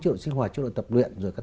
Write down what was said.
chế độ sinh hoạt chế độ tập luyện